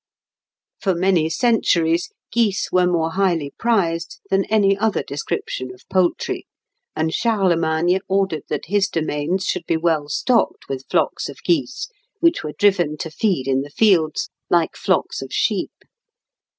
For many centuries geese were more highly prized than any other description of poultry, and Charlemagne ordered that his domains should be well stocked with flocks of geese, which were driven to feed in the fields, like flocks of sheep.